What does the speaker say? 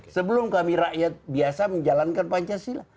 sebelum kami rakyat biasa menjalankan pancasila